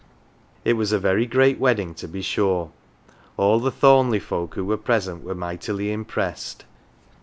It was a very great wedding to be sure; all the Thornleigh folk who were present were mightily im pressed.